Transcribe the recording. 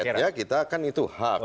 ya kita kan itu hak